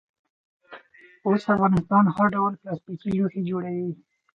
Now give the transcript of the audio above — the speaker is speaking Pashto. اوس افغانستان هر ډول پلاستیکي لوښي جوړوي.